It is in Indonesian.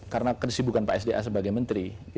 karena kesibukan pak sda sebagai menteri